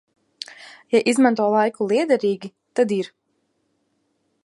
Ja izmanto laiku lietderīgi, tad ir.